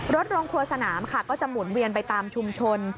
โรงครัวสนามค่ะก็จะหมุนเวียนไปตามชุมชน